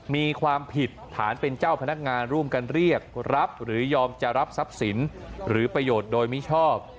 มีความผิดฐานเป็นเจ้าพนักงานร่วมกันเรียกรับหรือยอมจะรับทรัพย์สินหรือประโยชน์โดยมิชอบ